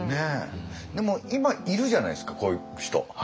でも今いるじゃないですかこういう人。